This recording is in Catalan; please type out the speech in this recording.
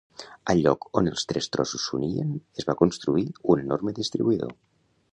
Al lloc on els tres trossos s'unien es va construir un enorme distribuïdor.